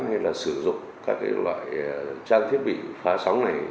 hay là sử dụng các loại trang thiết bị phá sóng này